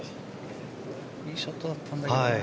いいショットだったんだけどな。